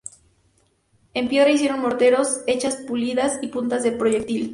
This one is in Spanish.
En piedra, hicieron morteros, hachas pulidas y puntas de proyectil.